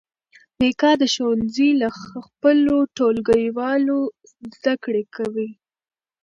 میکا د ښوونځي له خپلو ټولګیوالو زده کړې کوي.